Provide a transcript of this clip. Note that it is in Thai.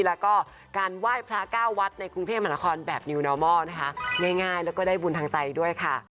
แล้วก็การไหว้พระก้าววัดในกรุงเทพฯมหาละคร